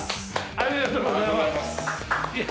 ありがとうございます。